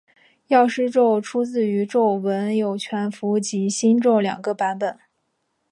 药师咒出自于咒文有全咒及心咒两个版本。